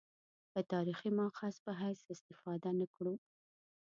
د تاریخي مأخذ په حیث استفاده نه کړو.